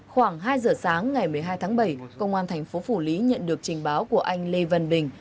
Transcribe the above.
khoảng hai giờ sáng ngày một mươi hai tháng bảy công an thành phố phủ lý nhận được trình báo của anh lê văn bình